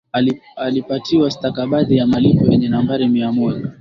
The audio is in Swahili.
Alipatiwa stakabadhi ya malipo yenye nambari mia moja